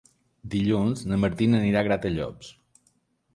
Dilluns na Martina anirà a Gratallops.